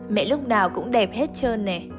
mẹ lúc nào cũng đẹp hết trơn nè